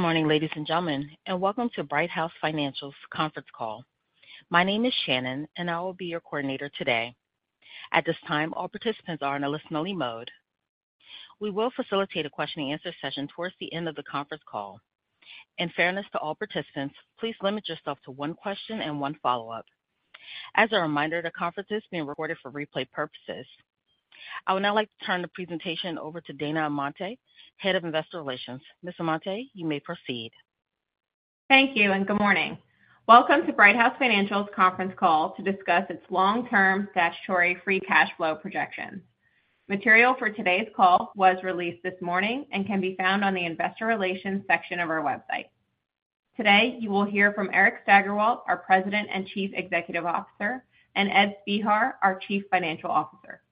Good morning, ladies and gentlemen, and welcome to Brighthouse Financial's conference call. My name is Shannon, and I will be your coordinator today. At this time, all participants are in a listen-only mode. We will facilitate a question-and-answer session towards the end of the conference call. In fairness to all participants, please limit yourself to one question and one follow-up. As a reminder, the conference is being recorded for replay purposes. I would now like to turn the presentation over to Dana Amante, Head of Investor Relations. Ms. Amante, you may proceed. Thank you, and good morning. Welcome to Brighthouse Financial's conference call to discuss its long-term Statutory Free Cash Flow projections. Material for today's call was released this morning and can be found on the Investor Relations section of our website. Today, you will hear from Eric Steigerwalt, our President and Chief Executive Officer, and Ed Spehar, our Chief Financial Officer.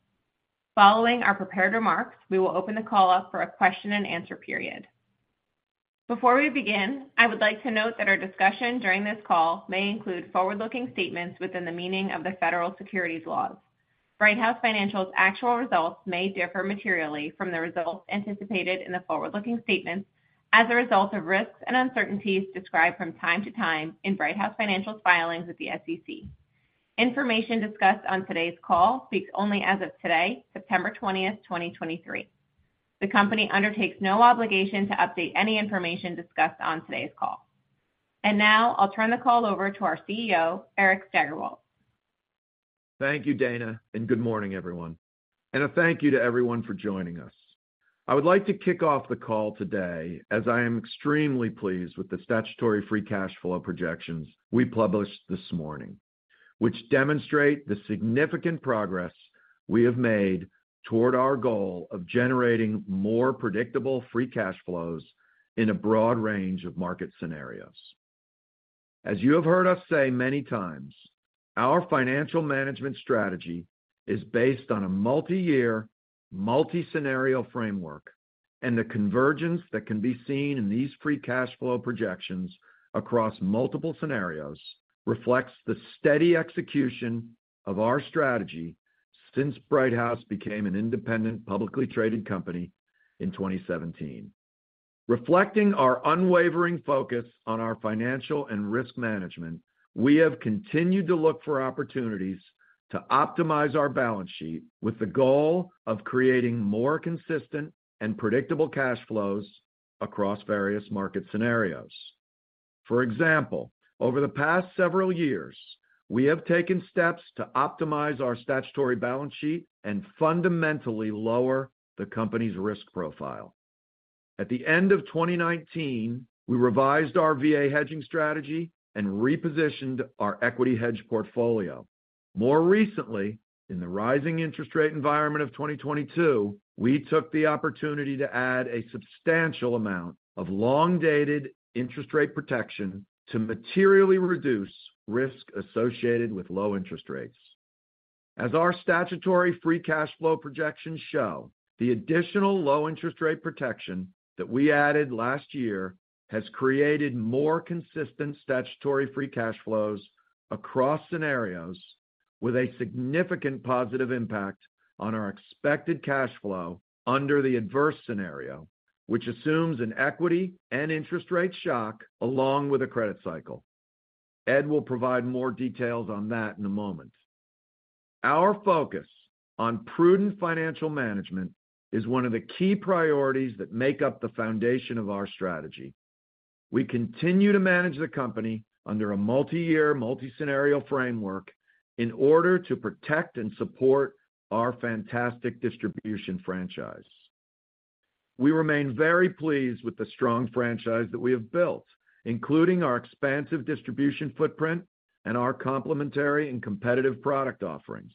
Following our prepared remarks, we will open the call up for a question-and-answer period. Before we begin, I would like to note that our discussion during this call may include forward-looking statements within the meaning of the federal securities laws. Brighthouse Financial's actual results may differ materially from the results anticipated in the forward-looking statements as a result of risks and uncertainties described from time to time in Brighthouse Financial's filings with the SEC. Information discussed on today's call speaks only as of today, September 20th, 2023. The company undertakes no obligation to update any information discussed on today's call. Now I'll turn the call over to our CEO, Eric Steigerwalt. Thank you, Dana, and good morning, everyone. A thank you to everyone for joining us. I would like to kick off the call today as I am extremely pleased with the statutory free cash flow projections we published this morning, which demonstrate the significant progress we have made toward our goal of generating more predictable free cash flows in a broad range of market scenarios. As you have heard us say many times, our financial management strategy is based on a multi-year, multi-scenario framework, and the convergence that can be seen in these free cash flow projections across multiple scenarios reflects the steady execution of our strategy since Brighthouse became an independent, publicly traded company in 2017. Reflecting our unwavering focus on our financial and risk management, we have continued to look for opportunities to optimize our balance sheet with the goal of creating more consistent and predictable cash flows across various market scenarios. For example, over the past several years, we have taken steps to optimize our statutory balance sheet and fundamentally lower the company's risk profile. At the end of 2019, we revised our VA hedging strategy and repositioned our equity hedge portfolio. More recently, in the rising interest rate environment of 2022, we took the opportunity to add a substantial amount of long-dated interest rate protection to materially reduce risk associated with low interest rates. As our Statutory Free Cash Flow projections show, the additional low interest rate protection that we added last year has created more consistent Statutory Free Cash Flows across scenarios with a significant positive impact on our expected cash flow under the adverse scenario, which assumes an equity and interest rate shock along with a credit cycle. Ed will provide more details on that in a moment. Our focus on prudent financial management is one of the key priorities that make up the foundation of our strategy. We continue to manage the company under a multi-year, multi-scenario framework in order to protect and support our fantastic distribution franchise. We remain very pleased with the strong franchise that we have built, including our expansive distribution footprint and our complementary and competitive product offerings.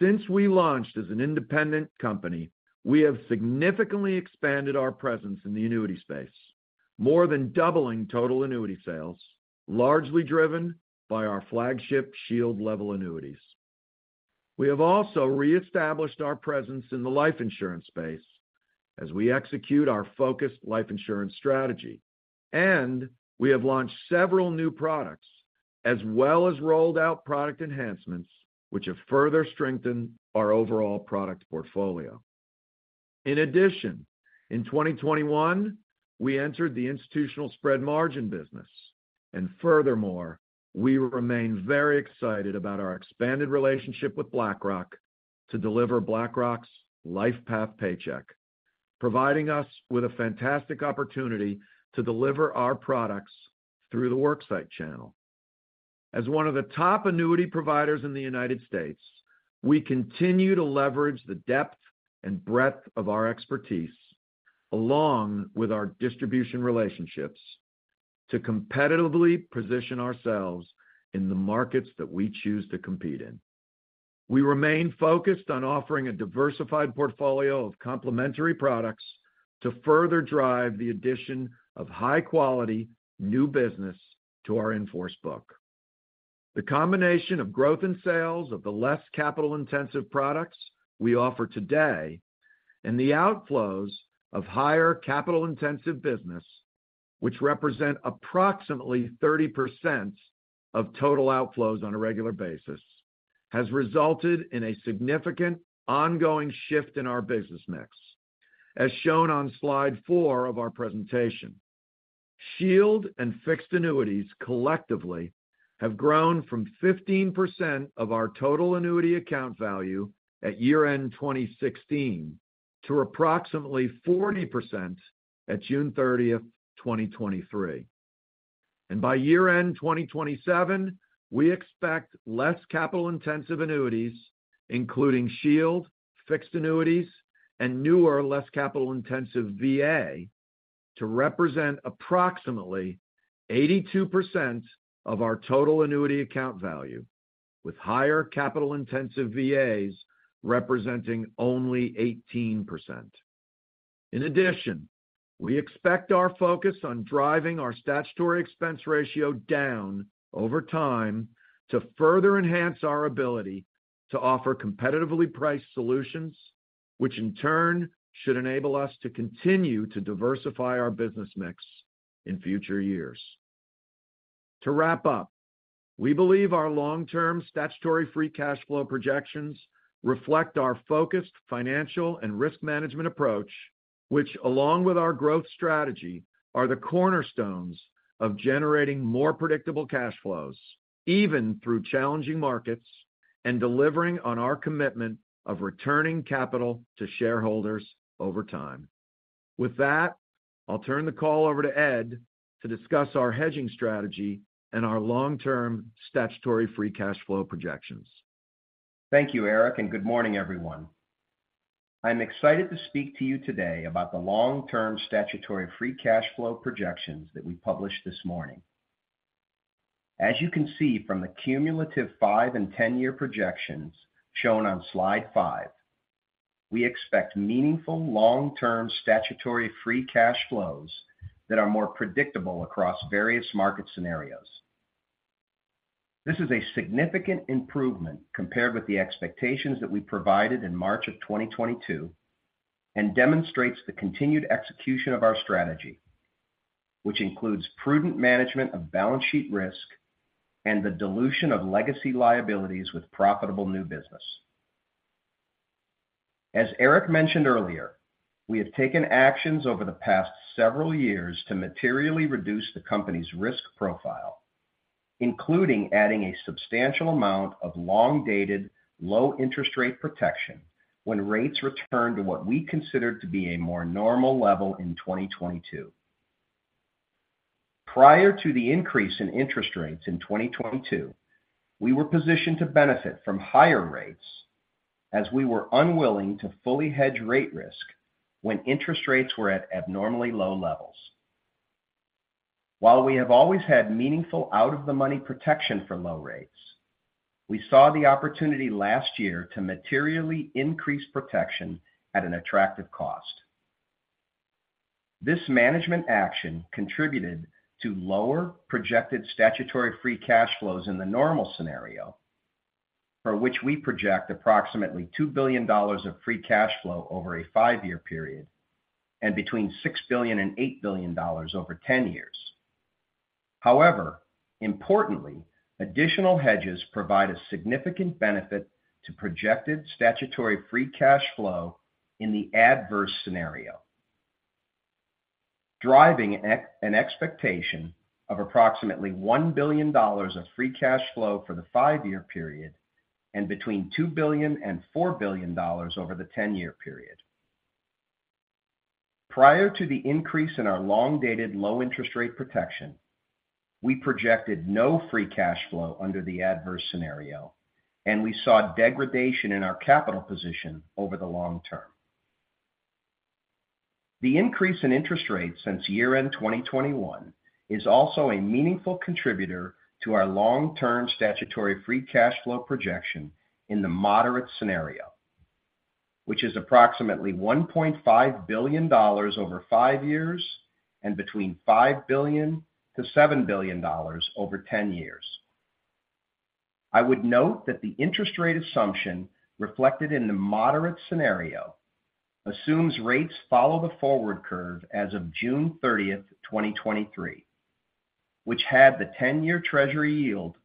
Since we launched as an independent company, we have significantly expanded our presence in the annuity space, more than doubling total annuity sales, largely driven by our flagship Shield Level Annuities. We have also reestablished our presence in the life insurance space as we execute our focused life insurance strategy, and we have launched several new products, as well as rolled out product enhancements, which have further strengthened our overall product portfolio. In addition, in 2021, we entered the institutional spread margin business, and furthermore, we remain very excited about our expanded relationship with BlackRock to deliver BlackRock's LifePath Paycheck, providing us with a fantastic opportunity to deliver our products through the worksite channel. As one of the top annuity providers in the United States, we continue to leverage the depth and breadth of our expertise, along with our distribution relationships, to competitively position ourselves in the markets that we choose to compete in. We remain focused on offering a diversified portfolio of complementary products to further drive the addition of high-quality new business to our in-force book. The combination of growth in sales of the less capital-intensive products we offer today, and the outflows of higher capital-intensive business, which represent approximately 30% of total outflows on a regular basis, has resulted in a significant ongoing shift in our business mix, as shown on slide 4 of our presentation. Shield and fixed annuities collectively have grown from 15% of our total annuity account value at year-end 2016, to approximately 40% at June 30th, 2023. By year-end 2027, we expect less capital-intensive annuities, including Shield, fixed annuities, and newer, less capital-intensive VA, to represent approximately 82% of our total annuity account value, with higher capital-intensive VAs representing only 18%. In addition, we expect our focus on driving our statutory expense ratio down over time to further enhance our ability to offer competitively priced solutions, which in turn should enable us to continue to diversify our business mix in future years. To wrap up, we believe our long-term statutory free cash flow projections reflect our focused financial and risk management approach, which, along with our growth strategy, are the cornerstones of generating more predictable cash flows, even through challenging markets, and delivering on our commitment of returning capital to shareholders over time. With that, I'll turn the call over to Ed to discuss our hedging strategy and our long-term statutory free cash flow projections. Thank you, Eric, and good morning, everyone. I'm excited to speak to you today about the long-term statutory free cash flowprojections that we published this morning. As you can see from the cumulative five and 10-year projections shown on Slide 5, we expect meaningful long-term statutory free cash flow that are more predictable across various market scenarios. This is a significant improvement compared with the expectations that we provided in March 2022, and demonstrates the continued execution of our strategy, which includes prudent management of balance sheet risk and the dilution of legacy liabilities with profitable new business. As Eric mentioned earlier, we have taken actions over the past several years to materially reduce the company's risk profile, including adding a substantial amount of long-dated, low-interest rate protection when rates returned to what we considered to be a more normal level in 2022. Prior to the increase in interest rates in 2022, we were positioned to benefit from higher rates as we were unwilling to fully hedge rate risk when interest rates were at abnormally low levels. While we have always had meaningful out-of-the-money protection for low rates, we saw the opportunity last year to materially increase protection at an attractive cost. This management action contributed to lower projected statutory free cash flows in the normal scenario, for which we project approximately $2 billion of free cash flow over a five year period and between $6 billion and $8 billion over 10 years. However, importantly, additional hedges provide a significant benefit to projected statutory free cash flow in the adverse scenario, driving an expectation of approximately $1 billion of free cash flow for the 5-year period and between $2 billion and $4 billion over the 10-year period. Prior to the increase in our long-dated, low-interest rate protection, we projected no free cash flow under the adverse scenario, and we saw degradation in our capital position over the long term. The increase in interest rates since year-end 2021 is also a meaningful contributor to our long-term statutory free cash flow projection in the moderate scenario, which is approximately $1.5 billion over five years and between $5 billion-$7 billion over ten years. I would note that the interest rate assumption reflected in the moderate scenario assumes rates follow the forward curve as of June 30th, 2023, which had the ten-year Treasury yield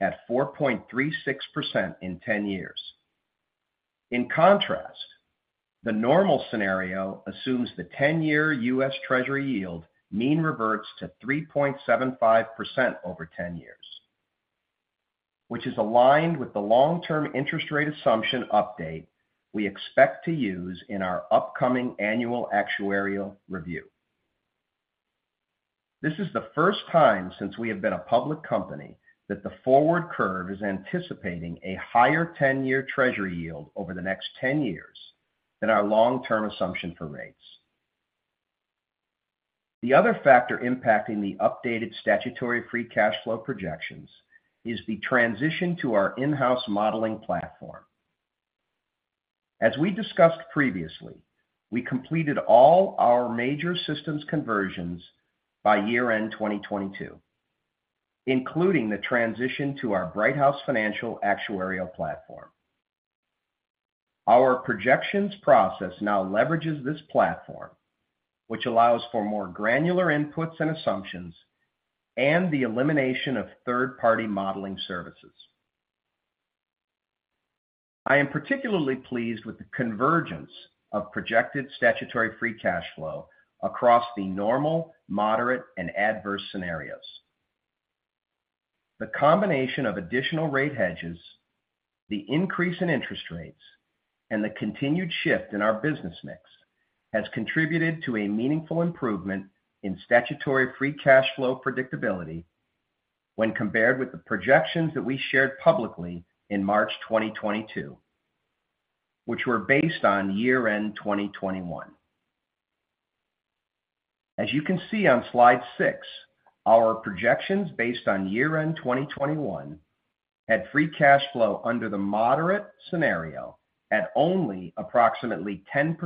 at 4.36% in ten years. In contrast, the normal scenario assumes the 10-year U.S. Treasury yield mean reverts to 3.75% over 10 years, which is aligned with the long-term interest rate assumption update we expect to use in our upcoming annual actuarial review. This is the first time since we have been a public company, that the forward curve is anticipating a higher 10-year Treasury yield over the next 10 years than our long-term assumption for rates. The other factor impacting the updated statutory free cash flow projections is the transition to our in-house modeling platform. As we discussed previously, we completed all our major systems conversions by year-end 2022, including the transition to our Brighthouse Financial actuarial platform.... Our projections process now leverages this platform, which allows for more granular inputs and assumptions and the elimination of third-party modeling services. I am particularly pleased with the convergence of projected statutory free cash flow across the normal, moderate, and adverse scenarios. The combination of additional rate hedges, the increase in interest rates, and the continued shift in our business mix has contributed to a meaningful improvement in statutory free cash flow predictability when compared with the projections that we shared publicly in March 2022, which were based on year-end 2021. As you can see on slide six, our projections based on year-end 2021 had free cash flow under the moderate scenario at only approximately 10%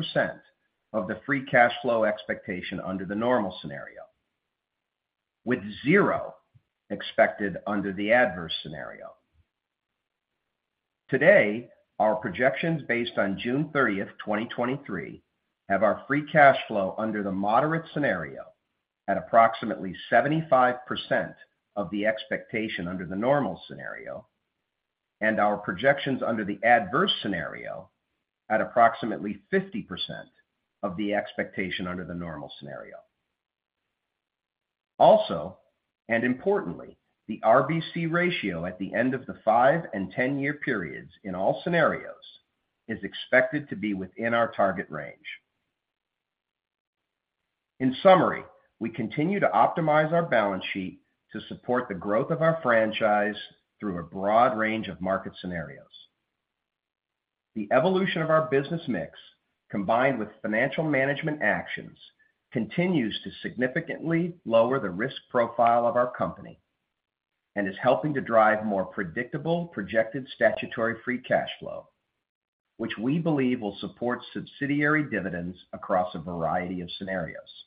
of the free cash flow expectation under the normal scenario, with 0 expected under the adverse scenario. Today, our projections based on June 30th, 2023, have our free cash flow under the moderate scenario at approximately 75% of the expectation under the normal scenario, and our projections under the adverse scenario at approximately 50% of the expectation under the normal scenario. Also, and importantly, the RBC ratio at the end of the five and 10-year periods in all scenarios is expected to be within our target range. In summary, we continue to optimize our balance sheet to support the growth of our franchise through a broad range of market scenarios. The evolution of our business mix, combined with financial management actions, continues to significantly lower the risk profile of our company and is helping to drive more predictable projected statutory free cash flow, which we believe will support subsidiary dividends across a variety of scenarios.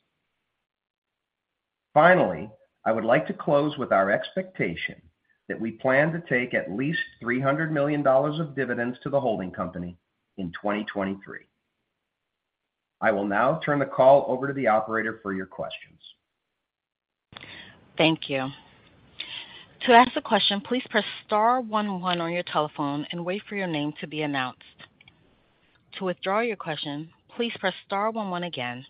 Finally, I would like to close with our expectation that we plan to take at least $300 million of dividends to the holding company in 2023. I will now turn the call over to the operator for your questions. Thank you. To ask a question, please press star one one on your telephone and wait for your name to be announced. To withdraw your question, please press star one one again.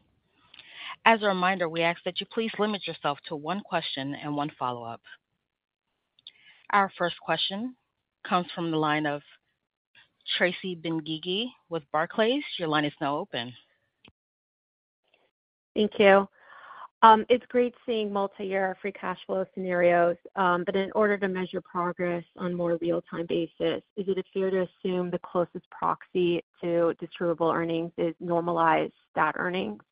As a reminder, we ask that you please limit yourself to one question and one follow-up. Our first question comes from the line of Tracy Benguigui with Barclays. Your line is now open. Thank you. It's great seeing multiyear free cash flow scenarios, but in order to measure progress on a more real-time basis, is it fair to assume the closest proxy to distributable earnings is normalized stat earnings?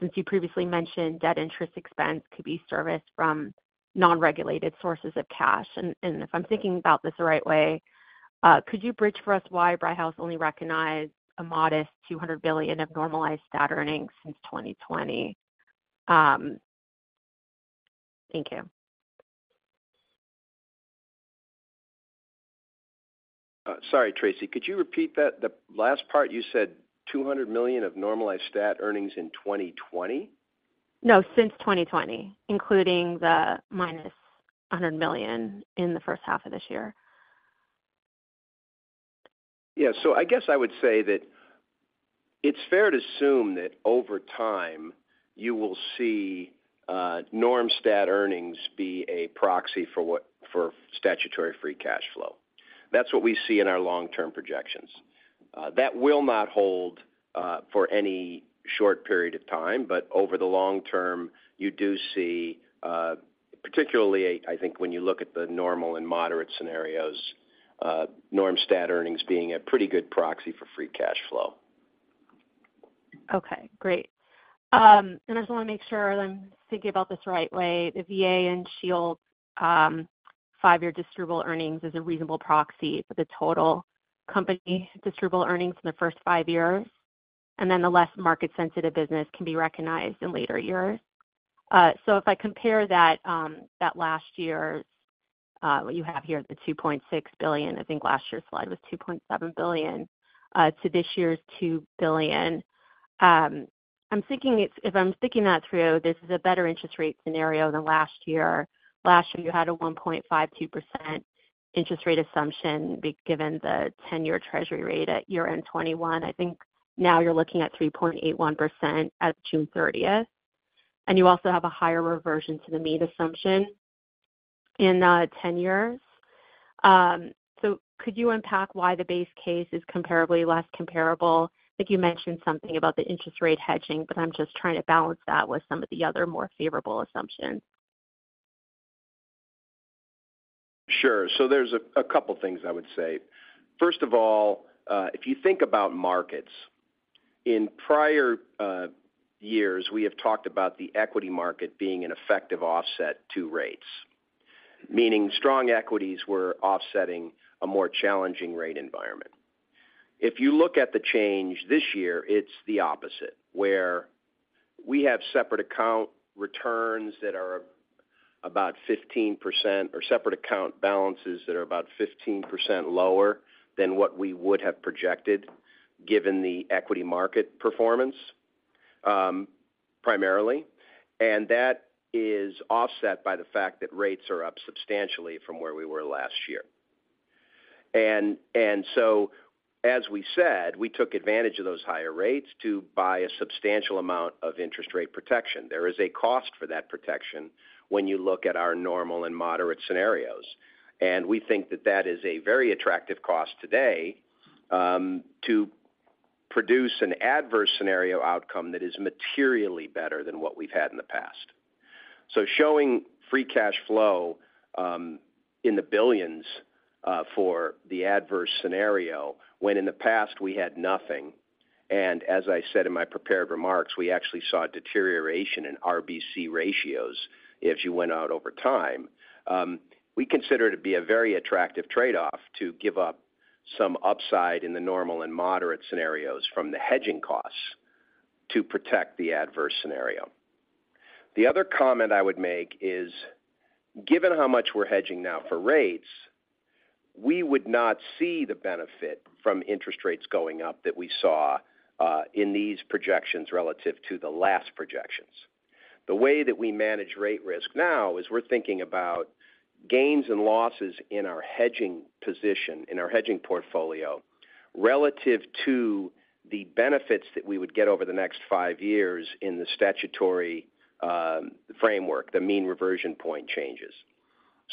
Since you previously mentioned debt interest expense could be serviced from non-regulated sources of cash. And, and if I'm thinking about this the right way, could you bridge for us why Brighthouse only recognized a modest $200 million of normalized stat earnings since 2020? Thank you. Sorry, Tracy, could you repeat that? The last part you said $200 million of normalized stat earnings in 2020? No, since 2020, including the -$100 million in the first half of this year. Yeah. I guess I would say that it's fair to assume that over time, you will see norm stat earnings be a proxy for what—for statutory free cash flow. That's what we see in our long-term projections. That will not hold for any short period of time, but over the long term, you do see, particularly, I think, when you look at the normal and moderate scenarios, norm stat earnings being a pretty good proxy for free cash flow. Okay, great. And I just want to make sure I'm thinking about this the right way. The VA and Shield five-year distributable earnings is a reasonable proxy for the total company distributable earnings in the first five years, and then the less market-sensitive business can be recognized in later years. So if I compare that, that last year, what you have here, the $2.6 billion, I think last year's slide was $2.7 billion, to this year's $2 billion. I'm thinking it's - if I'm thinking that through, this is a better interest rate scenario than last year. Last year, you had a 1.52% interest rate assumption, be given the 10-year treasury rate at year-end 2021. I think now you're looking at 3.81% as of June 30th, and you also have a higher reversion to the mean assumption in 10 years. So could you unpack why the base case is comparably less comparable? I think you mentioned something about the interest rate hedging, but I'm just trying to balance that with some of the other more favorable assumptions. Sure. There's a couple things I would say. First of all, if you think about markets, in prior years, we have talked about the equity market being an effective offset to rates, meaning strong equities were offsetting a more challenging rate environment. If you look at the change this year, it's the opposite, where we have separate account returns that are about 15%, or separate account balances that are about 15% lower than what we would have projected, given the equity market performance, primarily. That is offset by the fact that rates are up substantially from where we were last year. As we said, we took advantage of those higher rates to buy a substantial amount of interest rate protection. There is a cost for that protection when you look at our normal and moderate scenarios. We think that that is a very attractive cost today, to produce an adverse scenario outcome that is materially better than what we've had in the past. So showing free cash flow in the $ billions for the adverse scenario, when in the past we had nothing, and as I said in my prepared remarks, we actually saw a deterioration in RBC ratios as you went out over time. We consider it to be a very attractive trade-off to give up some upside in the normal and moderate scenarios from the hedging costs to protect the adverse scenario. The other comment I would make is, given how much we're hedging now for rates, we would not see the benefit from interest rates going up that we saw in these projections relative to the last projections. The way that we manage rate risk now is we're thinking about gains and losses in our hedging position, in our hedging portfolio, relative to the benefits that we would get over the next five years in the statutory framework, the mean reversion point changes.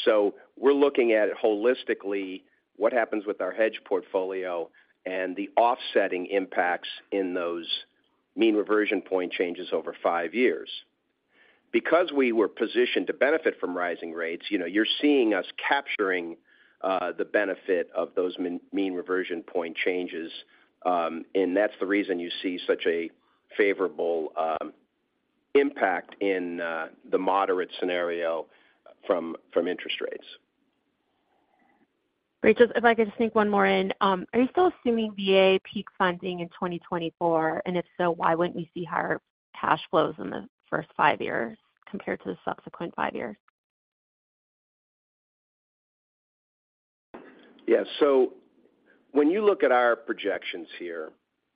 So we're looking at it holistically, what happens with our hedge portfolio and the offsetting impacts in those mean reversion point changes over 5 years. Because we were positioned to benefit from rising rates, you know, you're seeing us capturing the benefit of those mean reversion point changes, and that's the reason you see such a favorable impact in the moderate scenario from interest rates. Rachel, if I could just sneak one more in. Are you still assuming VA peak funding in 2024? And if so, why wouldn't we see higher cash flows in the first five years compared to the subsequent five years? Yeah. So when you look at our projections here,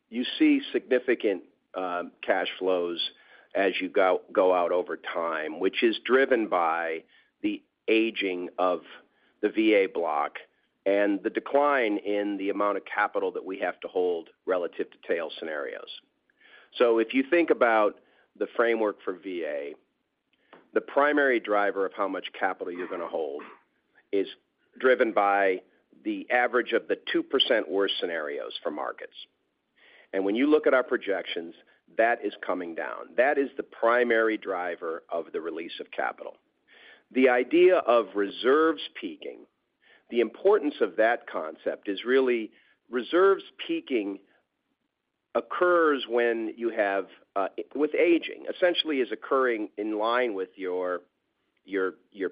you see significant cash flows as you go out over time, which is driven by the aging of the VA block and the decline in the amount of capital that we have to hold relative to tail scenarios. So if you think about the framework for VA, the primary driver of how much capital you're going to hold is driven by the average of the 2% worst scenarios for markets. And when you look at our projections, that is coming down. That is the primary driver of the release of capital. The idea of reserves peaking, the importance of that concept is really reserves peaking occurs when you have with aging, essentially is occurring in line with your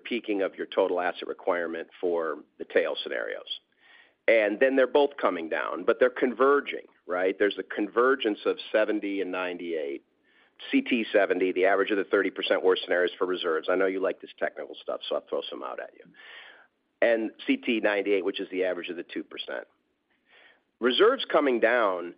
peaking of your total asset requirement for the tail scenarios. They're both coming down, but they're converging, right? There's a convergence of 70 and 98. CTE 70, the average of the 30% worst scenarios for reserves. I know you like this technical stuff, so I'll throw some out at you. And CTE 98, which is the average of the 2%. Reserves coming down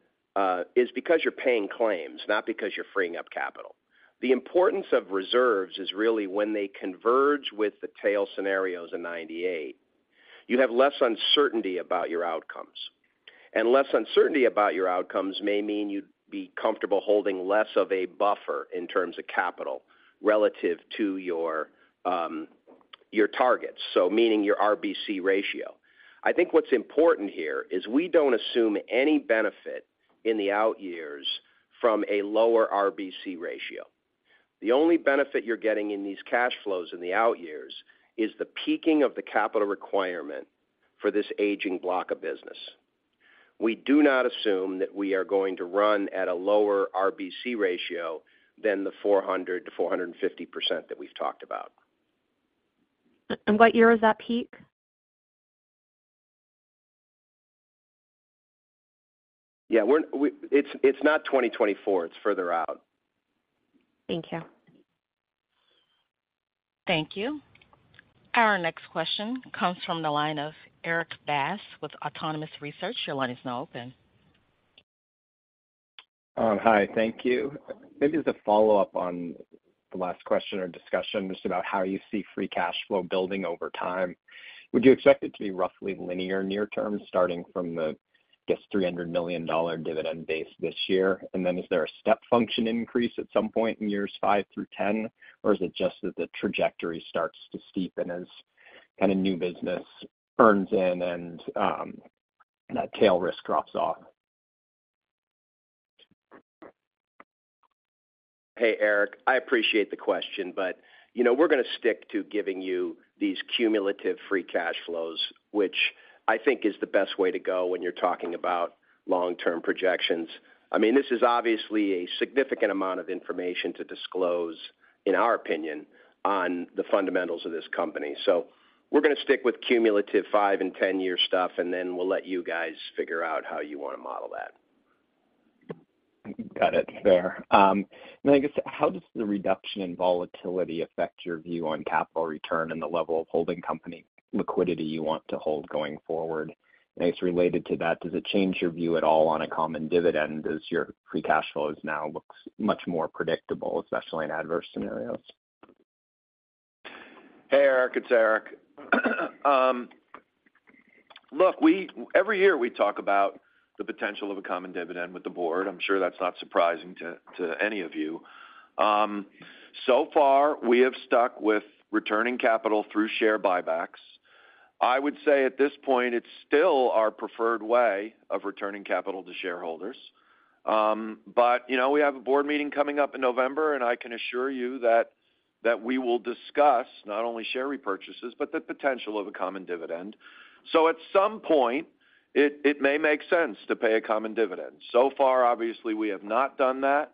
is because you're paying claims, not because you're freeing up capital. The importance of reserves is really when they converge with the tail scenarios in 98, you have less uncertainty about your outcomes. And less uncertainty about your outcomes may mean you'd be comfortable holding less of a buffer in terms of capital relative to your targets, so meaning your RBC ratio. I think what's important here is we don't assume any benefit in the out years from a lower RBC ratio. The only benefit you're getting in these cash flows in the out years is the peaking of the capital requirement for this aging block of business. We do not assume that we are going to run at a lower RBC ratio than the 400%-450% that we've talked about. What year is that peak? Yeah, we're. It's not 2024. It's further out. Thank you. Thank you. Our next question comes from the line of Eric Bass with Autonomous Research. Your line is now open. Hi, thank you. Maybe as a follow-up on the last question or discussion, just about how you see free cash flow building over time. Would you expect it to be roughly linear near term, starting from the, I guess, $300 million dividend base this year? And then is there a step function increase at some point in years five through 10? Or is it just that the trajectory starts to steepen as kind of new business earns in and that tail risk drops off? Hey, Eric, I appreciate the question, but, you know, we're going to stick to giving you these cumulative free cash flows, which I think is the best way to go when you're talking about long-term projections. I mean, this is obviously a significant amount of information to disclose, in our opinion, on the fundamentals of this company. So we're going to stick with cumulative five and 10-year stuff, and then we'll let you guys figure out how you want to model that. Got it, fair. And I guess, how does the reduction in volatility affect your view on capital return and the level of holding company liquidity you want to hold going forward? And it's related to that, does it change your view at all on a common dividend as your free cash flow is now looks much more predictable, especially in adverse scenarios? Hey, Eric, it's Eric. Look, every year, we talk about the potential of a common dividend with the board. I'm sure that's not surprising to any of you. So far, we have stuck with returning capital through share buybacks. I would say at this point, it's still our preferred way of returning capital to shareholders. But, you know, we have a board meeting coming up in November, and I can assure you that we will discuss not only share repurchases, but the potential of a common dividend. So at some point, it may make sense to pay a common dividend. So far, obviously, we have not done that,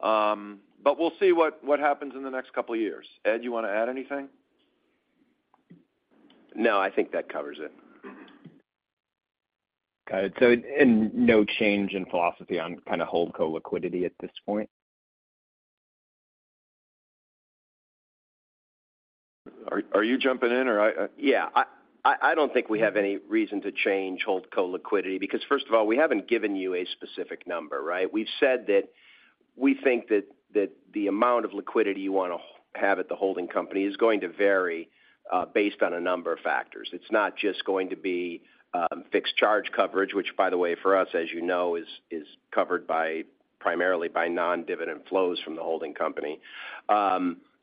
but we'll see what happens in the next couple of years. Ed, you want to add anything? No, I think that covers it. Got it. No change in philosophy on kind of HoldCo liquidity at this point? Are you jumping in or I- Yeah. I don't think we have any reason to change HoldCo liquidity, because first of all, we haven't given you a specific number, right? We've said that we think that the amount of liquidity you want to have at the holding company is going to vary, based on a number of factors. It's not just going to be fixed charge coverage, which, by the way, for us, as you know, is covered primarily by non-dividend flows from the holding company.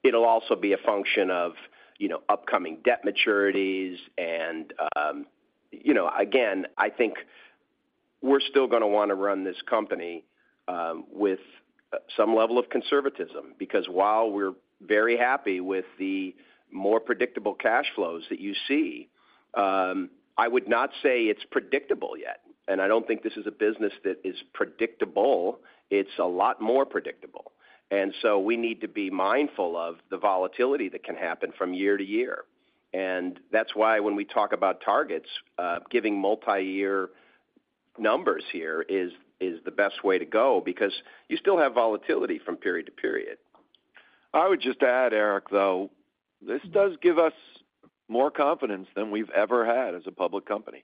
It'll also be a function of, you know, upcoming debt maturities and, you know, again, I think we're still going to want to run this company with some level of conservatism, because while we're very happy with the more predictable cash flows that you see, I would not say it's predictable yet, and I don't think this is a business that is predictable. It's a lot more predictable. And so we need to be mindful of the volatility that can happen from year to year. And that's why when we talk about targets, giving multi-year numbers here is, is the best way to go, because you still have volatility from period to period. I would just add, Eric, though, this does give us more confidence than we've ever had as a public company.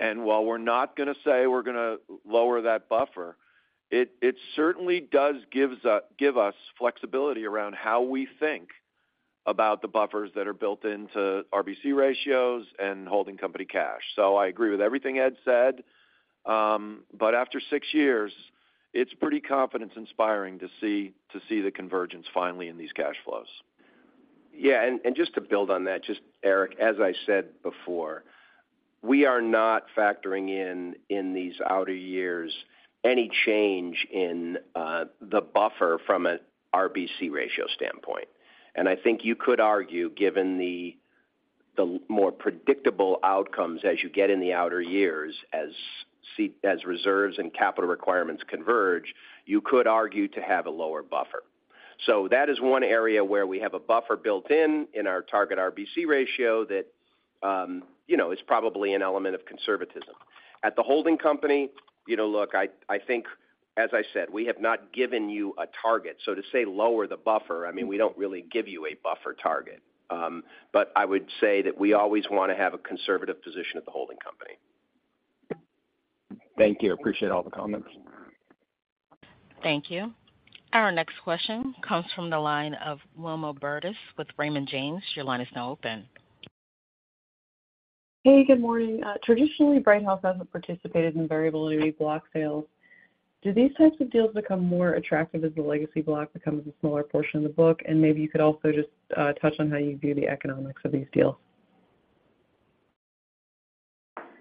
While we're not going to say we're going to lower that buffer, it certainly does give us flexibility around how we think about the buffers that are built into RBC ratios and holding company cash. I agree with everything Ed said, but after six years, it's pretty confidence inspiring to see the convergence finally in these cash flows. Yeah, and just to build on that, just Eric, as I said before, we are not factoring in these outer years any change in the buffer from an RBC ratio standpoint. And I think you could argue, given the more predictable outcomes as you get in the outer years, as reserves and capital requirements converge, you could argue to have a lower buffer. So that is one area where we have a buffer built in our target RBC ratio that, you know, is probably an element of conservatism. At the holding company, you know, look, I think, as I said, we have not given you a target. So to say lower the buffer, I mean, we don't really give you a buffer target. But I would say that we always want to have a conservative position at the holding company. Thank you. Appreciate all the comments. Thank you. Our next question comes from the line of Wilma Burdis with Raymond James. Your line is now open. Hey, good morning. Traditionally, Brighthouse hasn't participated in variable annuity block sales. Do these types of deals become more attractive as the legacy block becomes a smaller portion of the book? And maybe you could also just touch on how you view the economics of these deals.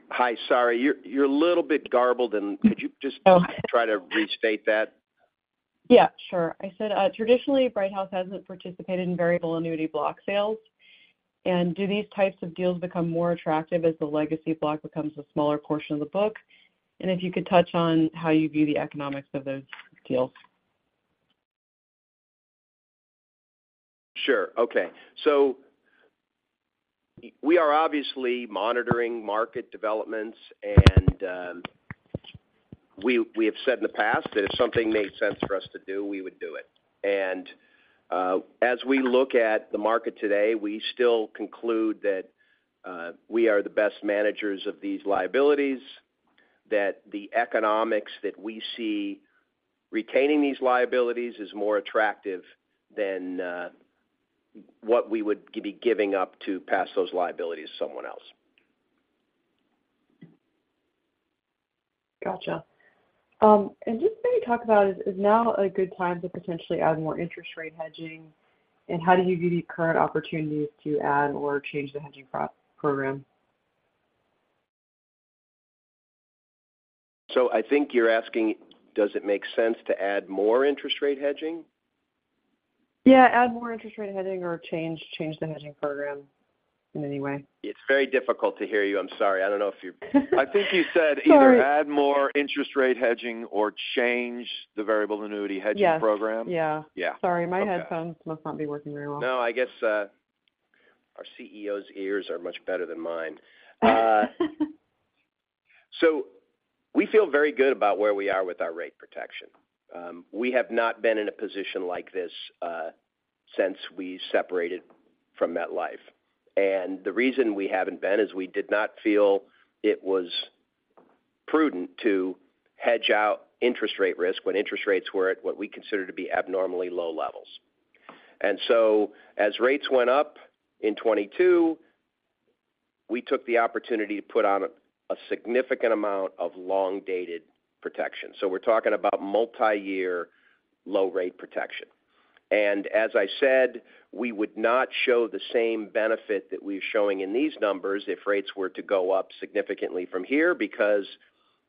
Hi, sorry, you're a little bit garbled. And could you just- Oh. Try to restate that? Yeah, sure. I said, traditionally, Brighthouse hasn't participated in variable annuity block sales. Do these types of deals become more attractive as the legacy block becomes a smaller portion of the book? If you could touch on how you view the economics of those deals. Sure. Okay. So we are obviously monitoring market developments, and we have said in the past that if something made sense for us to do, we would do it. And as we look at the market today, we still conclude that we are the best managers of these liabilities, that the economics that we see retaining these liabilities is more attractive than what we would be giving up to pass those liabilities to someone else. Gotcha. And just maybe talk about, is now a good time to potentially add more interest rate hedging? And how do you view the current opportunities to add or change the hedging program? I think you're asking, does it make sense to add more interest rate hedging? Yeah, add more interest rate hedging or change the hedging program. It's very difficult to hear you. I'm sorry. I don't know if you're- I think you said either add more interest rate hedging or change the variable annuity hedging program? Yes. Yeah. Yeah. Sorry, my headphones must not be working very well. No, I guess, our CEO's ears are much better than mine. So we feel very good about where we are with our rate protection. We have not been in a position like this, since we separated from MetLife. And the reason we haven't been is we did not feel it was prudent to hedge out interest rate risk when interest rates were at what we consider to be abnormally low levels. And so as rates went up in 2022, we took the opportunity to put on a significant amount of long-dated protection. So we're talking about multiyear low rate protection. And as I said, we would not show the same benefit that we're showing in these numbers if rates were to go up significantly from here, because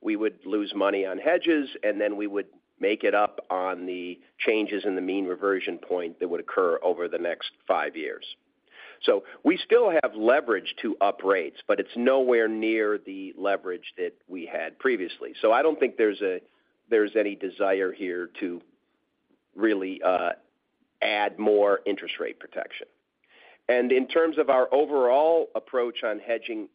we would lose money on hedges, and then we would make it up on the changes in the mean reversion point that would occur over the next five years. So we still have leverage to up rates, but it's nowhere near the leverage that we had previously. So I don't think there's any desire here to really add more interest rate protection. And in terms of our overall approach on hedging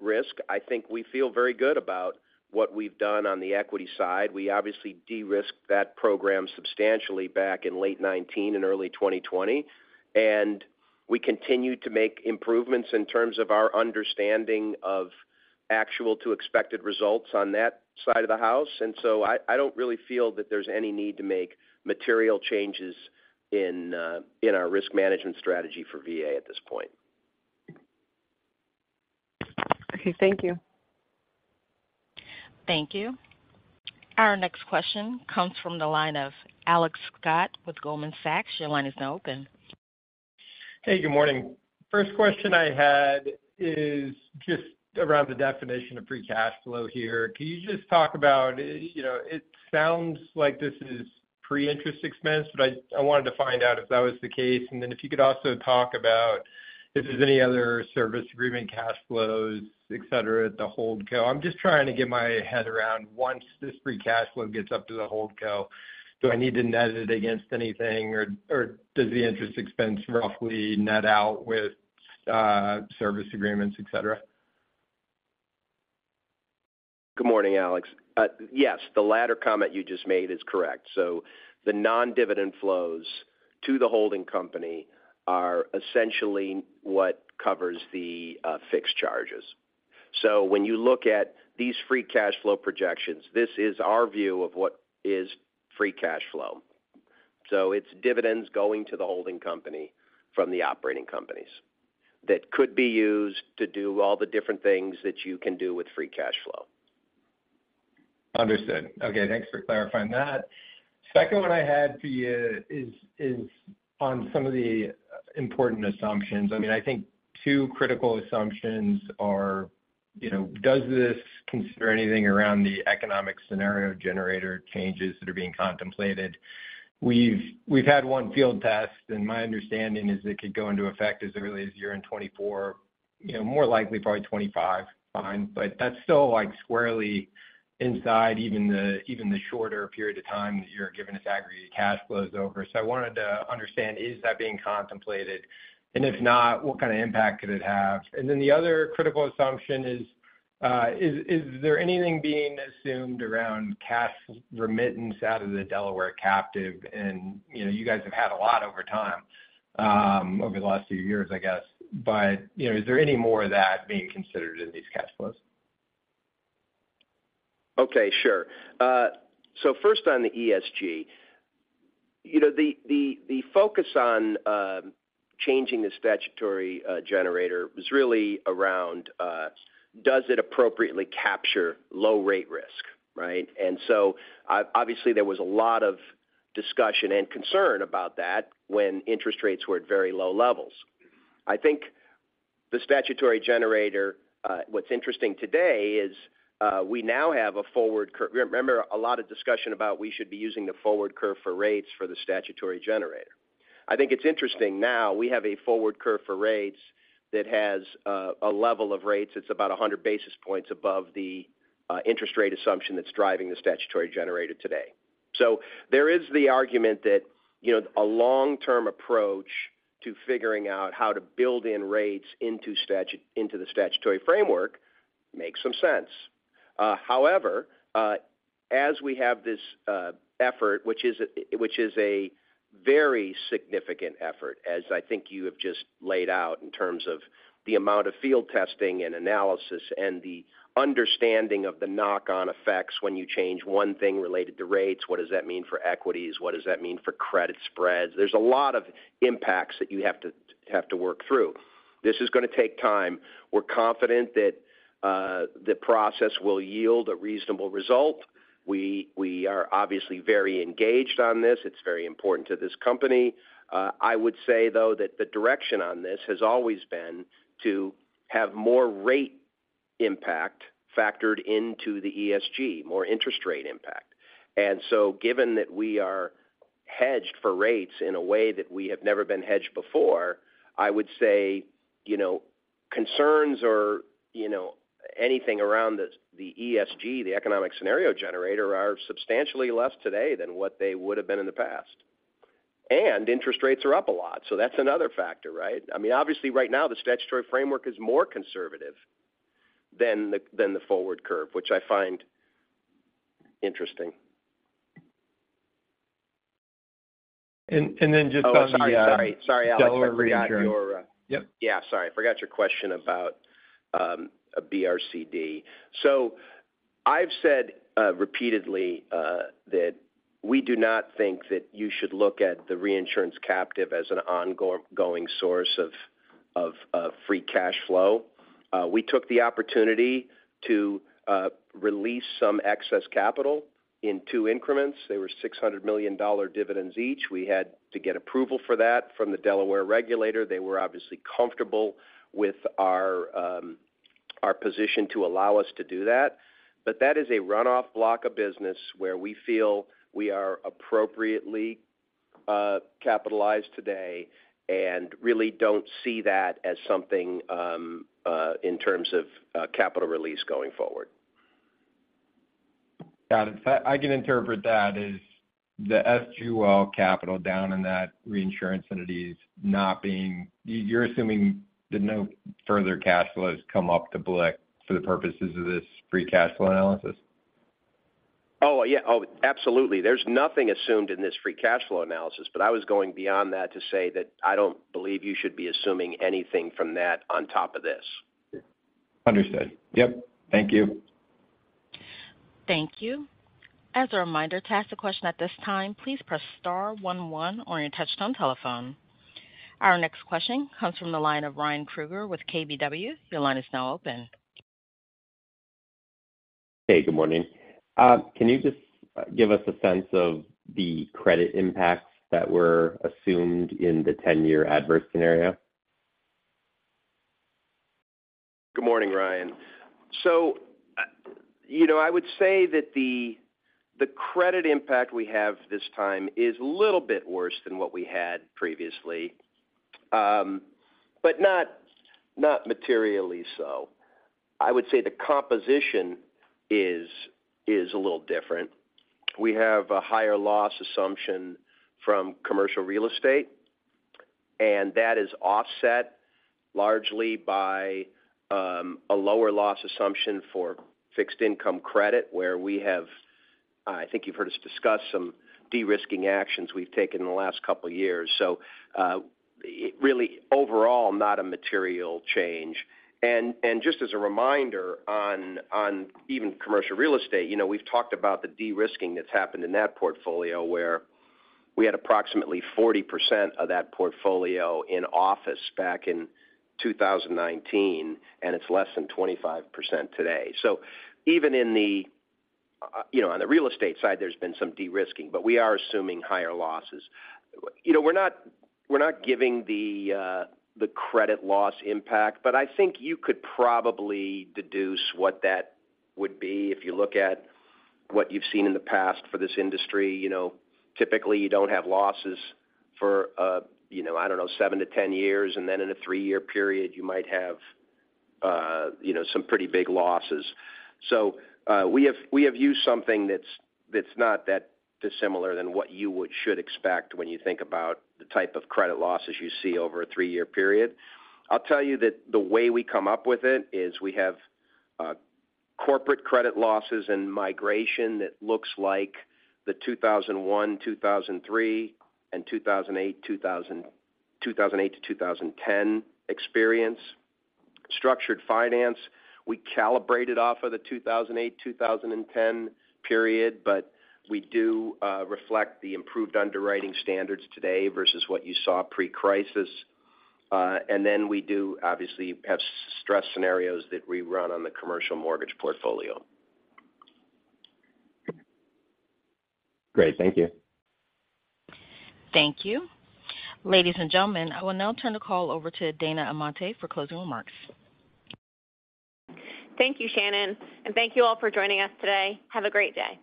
risk, I think we feel very good about what we've done on the equity side. We obviously de-risked that program substantially back in late 2019 and early 2020, and we continued to make improvements in terms of our understanding of actual to expected results on that side of the house. And so I don't really feel that there's any need to make material changes in our risk management strategy for VA at this point. Okay, thank you. Thank you. Our next question comes from the line of Alex Scott with Goldman Sachs. Your line is now open. Hey, good morning. First question I had is just around the definition of free cash flow here. Can you just talk about, you know, it sounds like this is pre-interest expense, but I wanted to find out if that was the case. And then if you could also talk about if there's any other service agreement, cash flows, et cetera, at the HoldCo. I'm just trying to get my head around, once this free cash flow gets up to the HoldCo, do I need to net it against anything, or does the interest expense roughly net out with service agreements, et cetera? Good morning, Alex. Yes, the latter comment you just made is correct. So the non-dividend flows to the holding company are essentially what covers the fixed charges. So when you look at these free cash flow projections, this is our view of what is free cash flow. So it's dividends going to the holding company from the operating companies that could be used to do all the different things that you can do with free cash flow. Understood. Okay, thanks for clarifying that. Second one I had for you is, is on some of the important assumptions. I mean, I think two critical assumptions are, you know, does this consider anything around the Economic Scenario Generator changes that are being contemplated? We've had one field test, and my understanding is it could go into effect as early as year-end 2024, you know, more likely probably 2025, fine. But that's still, like, squarely inside even the shorter period of time that you're giving us aggregated cash flows over. So I wanted to understand, is that being contemplated? And if not, what kind of impact could it have? And then the other critical assumption is, is there anything being assumed around cash remittance out of the Delaware captive? You know, you guys have had a lot over time, over the last few years, I guess. But, you know, is there any more of that being considered in these cash flows? Okay, sure. So first on the ESG, you know, the focus on changing the statutory generator was really around does it appropriately capture low rate risk, right? And so obviously, there was a lot of discussion and concern about that when interest rates were at very low levels. I think the statutory generator, what's interesting today is we now have a forward curve. Remember, a lot of discussion about we should be using the forward curve for rates for the statutory generator. I think it's interesting now, we have a forward curve for rates that has a level of rates that's about 100 basis points above the interest rate assumption that's driving the statutory generator today. So there is the argument that, you know, a long-term approach to figuring out how to build in rates into statutory framework makes some sense. However, as we have this effort, which is a very significant effort, as I think you have just laid out in terms of the amount of field testing and analysis and the understanding of the knock-on effects when you change one thing related to rates, what does that mean for equities? What does that mean for credit spreads? There's a lot of impacts that you have to work through. This is going to take time. We're confident that the process will yield a reasonable result. We are obviously very engaged on this. It's very important to this company. I would say, though, that the direction on this has always been to have more rate impact factored into the ESG, more interest rate impact. And so given that we are hedged for rates in a way that we have never been hedged before, I would say, you know, concerns or, you know, anything around the ESG, the economic scenario generator, are substantially less today than what they would have been in the past. And interest rates are up a lot, so that's another factor, right? I mean, obviously, right now, the statutory framework is more conservative than the forward curve, which I find interesting. Then just on the- Oh, sorry, sorry. Sorry, Alex, I forgot your, Yep. Yeah, sorry, I forgot your question about a BRCD. So I've said repeatedly that we do not think that you should look at the reinsurance captive as an ongoing source of free cash flow. We took the opportunity to release some excess capital in two increments. They were $600 million dividends each. We had to get approval for that from the Delaware regulator. They were obviously comfortable with our position to allow us to do that. But that is a runoff block of business where we feel we are appropriately capitalized today and really don't see that as something in terms of capital release going forward. Got it. I can interpret that as the excess capital down in that reinsurance entity is not being... You're assuming that no further cash flows come up to BLIC for the purposes of this free cash flow analysis? Oh, yeah. Oh, absolutely. There's nothing assumed in this free cash flow analysis, but I was going beyond that to say that I don't believe you should be assuming anything from that on top of this. Understood. Yep. Thank you. Thank you. As a reminder, to ask a question at this time, please press star one one on your touchtone telephone. Our next question comes from the line of Ryan Krueger with KBW. Your line is now open. Hey, good morning. Can you just give us a sense of the credit impacts that were assumed in the 10-year adverse scenario? Good morning, Ryan. You know, I would say that the credit impact we have this time is a little bit worse than what we had previously, but not materially so. I would say the composition is a little different. We have a higher loss assumption from commercial real estate, and that is offset largely by a lower loss assumption for fixed income credit, where we have, I think you've heard us discuss some de-risking actions we've taken in the last couple of years. Really overall, not a material change. And just as a reminder on even commercial real estate, you know, we've talked about the de-risking that's happened in that portfolio, where we had approximately 40% of that portfolio in office back in 2019, and it's less than 25% today. So even in the, you know, on the real estate side, there's been some de-risking, but we are assuming higher losses. You know, we're not giving the, the credit loss impact, but I think you could probably deduce what that would be if you look at what you've seen in the past for this industry. You know, typically, you don't have losses for, you know, I don't know, 7-10 years, and then in a 3-year period, you might have, you know, some pretty big losses. So, we have used something that's not that dissimilar than what you should expect when you think about the type of credit losses you see over a 3-year period. I'll tell you that the way we come up with it is we have corporate credit losses and migration that looks like the 2001, 2003, and 2008-2010 experience. Structured finance, we calibrated off of the 2008-2010 period, but we do reflect the improved underwriting standards today versus what you saw pre-crisis. And then we do obviously have stress scenarios that we run on the commercial mortgage portfolio. Great. Thank you. Thank you. Ladies and gentlemen, I will now turn the call over to Dana Amante for closing remarks. Thank you, Shannon, and thank you all for joining us today. Have a great day.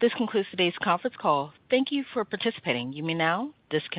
This concludes today's conference call. Thank you for participating. You may now disconnect.